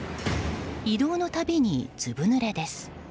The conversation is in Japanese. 移動の度に、ずぶ濡れです。